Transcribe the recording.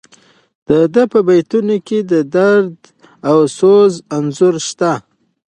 د ده په بیتونو کې د درد او سوز انځور شته.